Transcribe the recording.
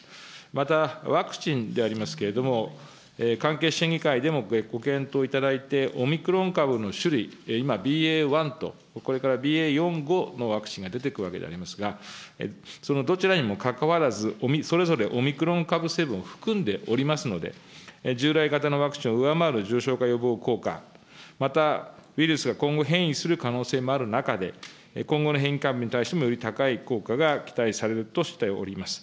また、ワクチンでありますけれども、関係審議会でもご検討いただいて、オミクロン株の種類、今、ＢＡ．１とこれからＢＡ．４、５のワクチンが出てくるわけでありますが、そのどちらにもかかわらず、それぞれオミクロン株７を含んでおりますので、従来型のワクチンを上回る重症化予防効果、またウイルスが今後、変異する可能性もある中で、今後の、より高い効果が期待されるとしております。